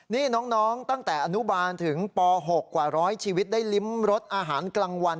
นี่น้องตั้งแต่อนุบาลถึงป๖กว่าร้อยชีวิตได้ริมรสอาหารกลางวัน